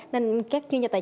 nên các chuyên gia tài truyền